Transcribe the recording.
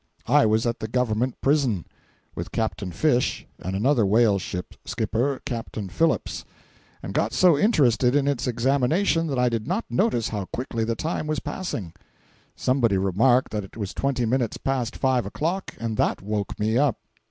I was at the Government prison, (with Captain Fish and another whaleship skipper, Captain Phillips,) and got so interested in its examination that I did not notice how quickly the time was passing. Somebody remarked that it was twenty minutes past five o'clock, and that woke me up.